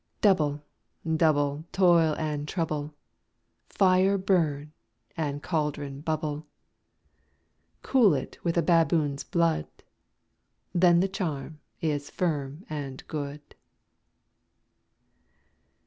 ALL. Double, double, toil and trouble; Fire, burn; and cauldron, bubble. SECOND WITCH. Cool it with a baboon's blood. Then the charm is firm and good.